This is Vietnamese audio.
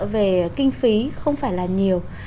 về kinh phí không phải là nhiều